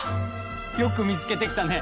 よく見つけてきたね！